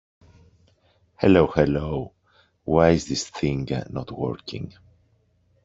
Hello hello. Why is this thing not working?